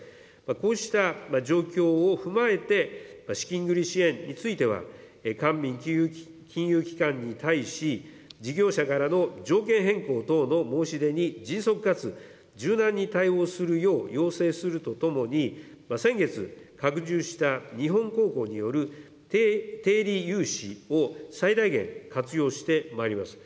こうした状況を踏まえて、資金繰り支援については、官民金融機関に対し、事業者からの条件変更等の申し出に迅速かつ柔軟に対応するよう要請するとともに、先月拡充した日本公庫による低利融資を最大限活用してまいります。